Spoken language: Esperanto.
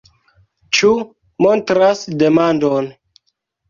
Ĉu montras demandon.